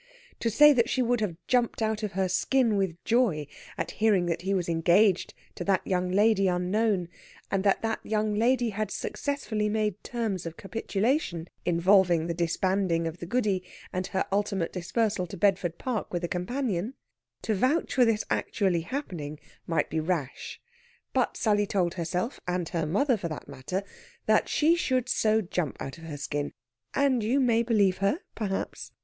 To say that she would have jumped out of her skin with joy at hearing that he was engaged to that young lady, unknown; and that that young lady had successfully made terms of capitulation, involving the disbanding of the Goody, and her ultimate dispersal to Bedford Park with a companion to vouch for this actually happening might be rash. But Sally told herself and her mother, for that matter that she should so jump out of her skin; and you may believe her, perhaps.